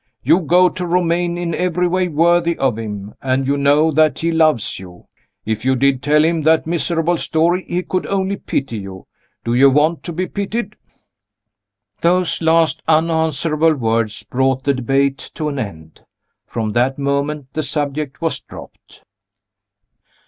You go to Romayne in every way worthy of him, and you know that he loves you. If you did tell him that miserable story, he could only pity you. Do you want to be pitied?" Those last unanswerable words brought the debate to an end. From that moment the subject was dropped.